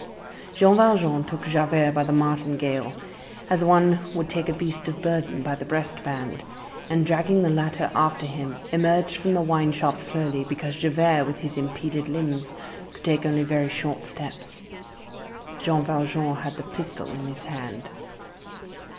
Jean Valjean took Javert by the martingale, as one would take a beast of burden by the breast band, and, dragging the latter after him, emerged from the wine shop slowly, because Javert, with his impeded limbs, could take only very short steps. Jean Valjean had the pistol in his hand.